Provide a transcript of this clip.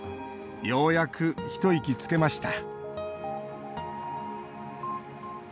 ようやく一息つけました。